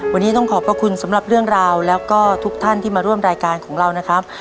วันนี้ต้องขอบพระคุณสำหรับเรื่องราวแล้วก็ทุกท่านที่มาร่วมรายการของเรานะครับ